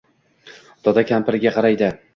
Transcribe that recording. Doda kampiriga qaraydi